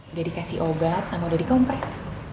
udah dikasih obat sama udah di kompres